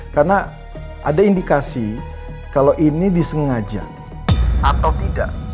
karena ada indikasi kalau ini disengaja atau tidak